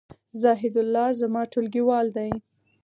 زاهیدالله زما ټولګیوال دی